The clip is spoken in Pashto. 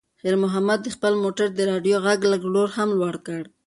خیر محمد د خپل موټر د راډیو غږ لږ نور هم لوړ کړ.